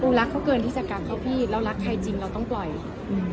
รักเขาเกินที่จะกักเขาพี่เรารักใครจริงเราต้องปล่อยอืม